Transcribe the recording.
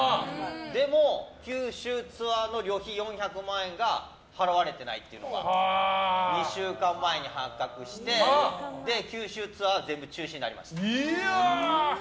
でも、九州ツアーの旅費４００万円が払われていないっていうのが２週間前に発覚して九州ツアーは全部中止になりました。